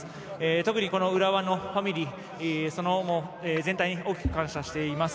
特に浦和のファミリー全体に大きく感じています。